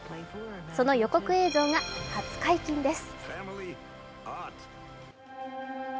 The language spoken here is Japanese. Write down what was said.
その予告映像が初解禁です。